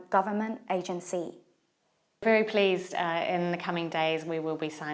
có nghĩa là nó hơi tài năng